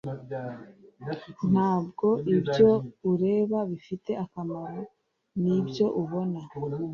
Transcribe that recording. ntabwo ibyo ureba bifite akamaro, nibyo ubona.